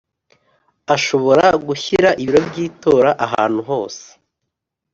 ashobora gushyira ibiro by itora ahantu hose